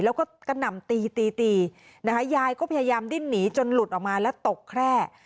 แล้วก็กระหน่ำตีตีนะคะยายก็พยายามดิ้นหนีจนหลุดออกมาแล้วตกแคร่